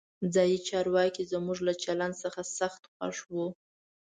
ځایي چارواکي زموږ له چلند څخه سخت خوښ وو.